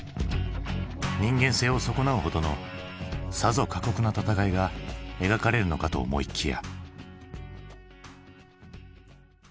人間性を損なうほどのさぞ過酷な戦いが描かれるのかと思いきや。